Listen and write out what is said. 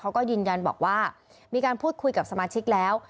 เขาก็ยืนยันบอกว่ามีการพูดคุยกับสมาชิกแล้ว